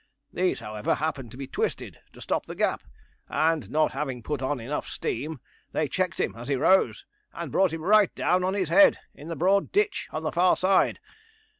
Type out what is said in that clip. These, however, happened to be twisted, to stop the gap, and not having put on enough steam, they checked him as he rose, and brought him right down on his head in the broad ditch, on the far side.